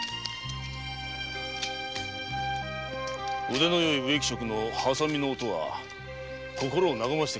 腕のよい植木職のハサミの音は心を和ませてくれるな。